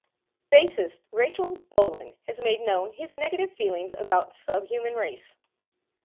Bassist Rachel Bolan has made known his negative feelings about "Subhuman Race".